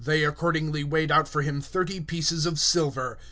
And they weighed out to him thirty pieces of silver.